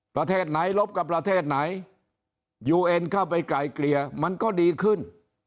ประเทศไหนลบกับประเทศไหนยูเอ็นเข้าไปไกลเกลี่ยมันก็ดีขึ้น